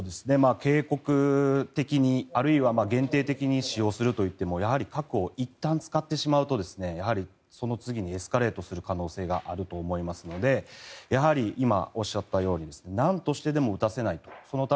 警告的に、あるいは限定的に使用するといってもやはり核をいったん使ってしまうとその次にエスカレートする可能性があると思いますのでやはり今、おっしゃったようになんとしてでも撃たせないと。